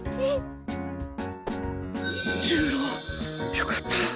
よかった！